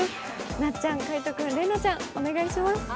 なっちゃん、海音君、麗菜ちゃん、お願いします。